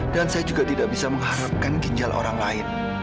dan saya juga tidak bisa mengharapkan kinjal orang lain